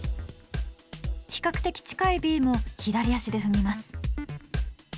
比較的近いＢも左足で踏みます。